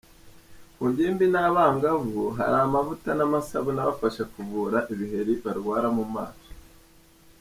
Ku ngimbi n’abangavu hari amavuta n’amasabune abafasha kuvura ibiheri barwara mu maso.